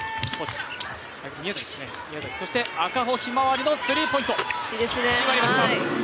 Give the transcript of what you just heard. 赤穂ひまわりのスリーポイント決まりました。